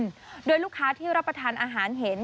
และลูกค้ารับประทานอาหารเห็น